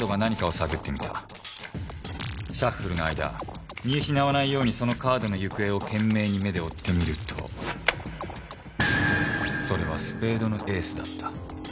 シャッフルの間見失わないようにそのカードの行方を懸命に目で追ってみるとそれはスペードのエースだった。